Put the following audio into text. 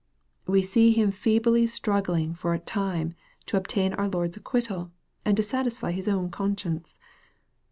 We see him feebly struggling for a time to obtain our Lord's acquit tal, and to satisfy his own conscience.